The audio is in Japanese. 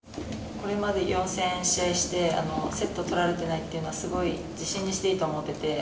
これまで４戦、試合してセットとられていないというのは自信にしていいと思っていて。